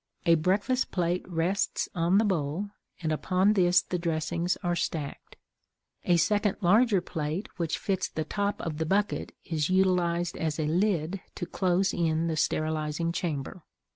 A breakfast plate rests on the bowl, and upon this the dressings are stacked; a second larger plate which fits the top of the bucket is utilized as a lid to close in the sterilizing chamber.